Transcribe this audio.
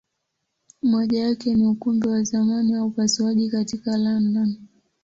Moja yake ni Ukumbi wa zamani wa upasuaji katika London.